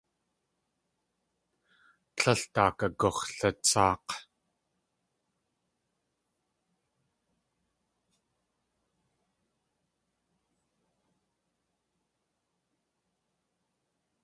Tlél daak agux̲latsaak̲.